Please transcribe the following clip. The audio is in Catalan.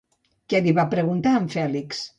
Què li va preguntar en Fèlix?